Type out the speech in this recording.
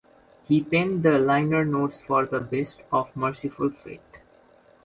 He penned the liner notes for the Best of Mercyful Fate.